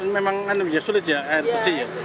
memang sulit ya air bersih